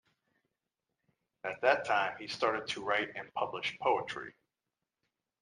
At that time he started to write and publish poetry.